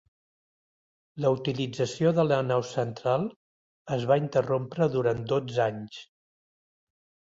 La utilització de la nau central es va interrompre durant dotze anys.